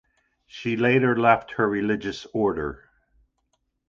She later left her religious order.